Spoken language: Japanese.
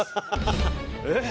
えっ？